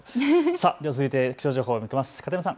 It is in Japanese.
では続いて気象情報いきます。